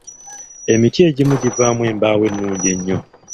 Emiti egimu givaamu embaawo ennungi ennyo.